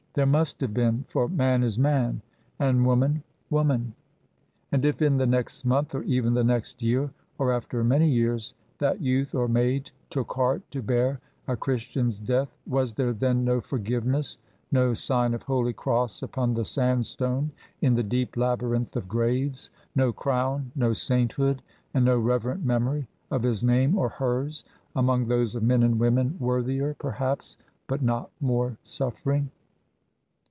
There must have been, for man is man, and woman, woman. And if in the next month, or even the next year, or after many years, that youth or maid took heart to bear a Christian's death, was there then no forgiveness, no sign of holy cross upon the sandstone in the deep labyrinth of graves, no crown, no sainthood, and no reverent memory of his name or hers among those of men and women worthier, perhaps, but not more suffering?